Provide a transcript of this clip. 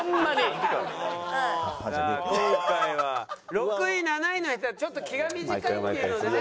６位７位の人はちょっと気が短いっていうのでね。